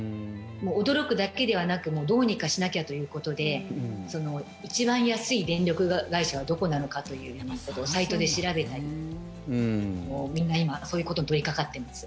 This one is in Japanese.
驚くだけではなくどうにかしなきゃということで一番安い電力会社はどこなのかということをサイトで調べたりみんな今、そういうことに取りかかってます。